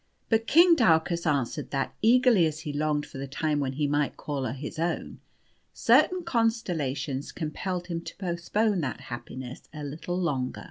But King Daucus answered that eagerly as he longed for the time when he might call her his own, certain constellations compelled him to postpone that happiness a little longer.